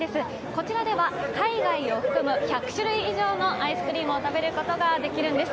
こちらでは海外を含む１００種類以上のアイスクリームを食べることができるんです。